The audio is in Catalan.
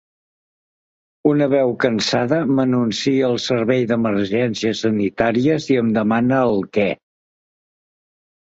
Una veu cansada m'anuncia el servei d'emergències sanitàries i em demana el què.